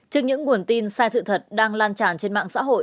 trước những nguồn tin sai sự thật đang lan tràn trên mạng